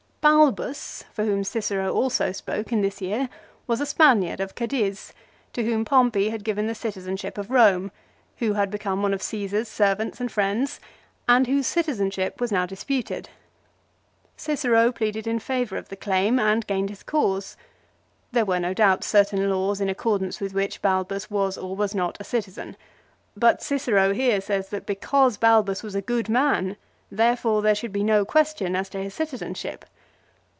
Balbus, for whom Cicero also spoke in this year, was a Spaniard of Cadiz, to whom Pompey had given the citizenship of Eome, who had become one of Caesar's servants and friends, and whose citizenship was now disputed. Cicero pleaded in favour of the claim, and gained his cause. There were, no doubt, certain laws in accordance with which Balbus was or was not a citizen ; but Cicero here says that because Balbus was a good man, therefore, there should be no question as to his citizenship.